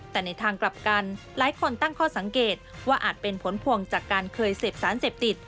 แต่ในทางกลับกันหลายคนตั้งข้อสังเกตว่าอาจเป็นผลพวงจากการเคยเสพสารเสพติด